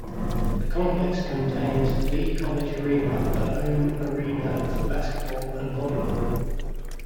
The complex contains Lee College Arena, the home arena for basketball and volleyball.